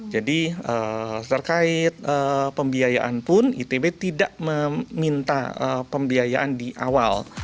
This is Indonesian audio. jadi terkait pembiayaan pun itb tidak meminta pembiayaan di awal